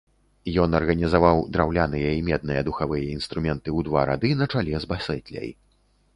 Ён арганізаваў драўляныя і медныя духавыя інструменты ў два рады на чале з басэтляй.